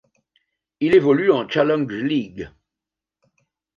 Il évolue en Challenge League.